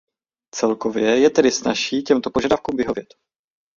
Celkově je tedy snazší těmto požadavkům vyhovět.